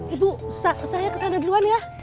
ibu saya kesana duluan ya